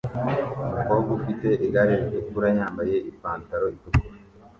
Umukobwa ufite igare ritukura yambaye ipantaro itukura